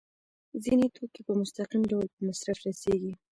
ځینې توکي په مستقیم ډول په مصرف رسیږي.